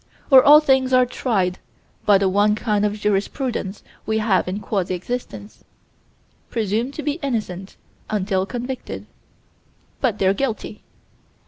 Or all things are tried by the only kind of jurisprudence we have in quasi existence: Presumed to be innocent until convicted but they're guilty.